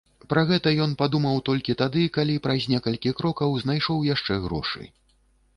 Пра гэта ён падумаў толькі тады, калі праз некалькі крокаў знайшоў яшчэ грошы.